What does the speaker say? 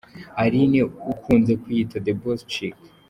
Aline ukunze kwiyita ’The Boss Chick’.